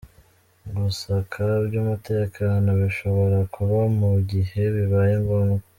Gusaka by’umutekano bishobora kuba mu gihe bibaye ngombwa.